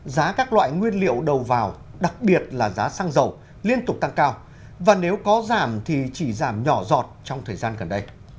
giá các loại nguyên liệu đầu vào đặc biệt là giá xăng dầu liên tục tăng cao và nếu có giảm thì chỉ giảm nhỏ giọt trong thời gian gần đây